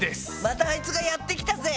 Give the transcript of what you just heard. またあいつがやってきたぜ！